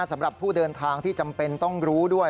สำหรับผู้เดินทางที่จำเป็นต้องรู้ด้วย